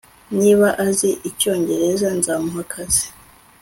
Niba azi icyongereza nzamuha akazi